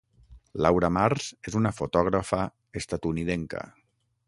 Laura Mars és una fotògrafa estatunidenca.